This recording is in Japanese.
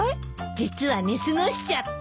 実は寝過ごしちゃって。